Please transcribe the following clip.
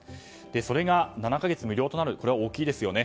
それが、７か月無料となると大きいですよね。